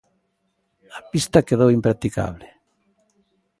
A pista quedou impracticable.